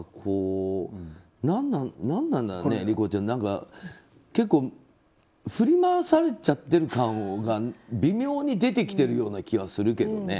何なんだろうね、理子ちゃん。結構、振り回されちゃってる感が微妙に出てきているような気がしちゃうけどね。